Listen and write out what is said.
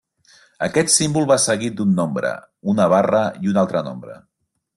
Aquest símbol va seguit d'un nombre, una barra, i un altre nombre.